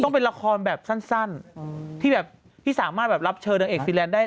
ต้องเป็นละครแบบสั้นที่แบบพี่สามารถแบบรับเชิญนางเอกซีแลนด์ได้